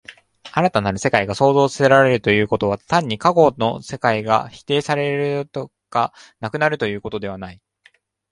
新たなる世界が創造せられるということは、単に過去の世界が否定せられるとか、なくなるとかいうのではない。